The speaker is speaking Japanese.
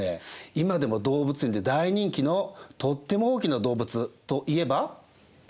今でも動物園で大人気のとっても大きな動物といえば？